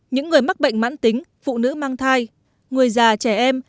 những người mắc bệnh mãn tính phụ nữ mang thai người già trẻ em